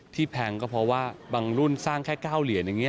แพงก็เพราะว่าบางรุ่นสร้างแค่๙เหรียญอย่างนี้